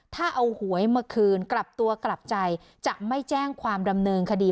ถ้าเอาหวยมาคืนกลับตัวกลับใจจะไม่แจ้งความดำเนินคดี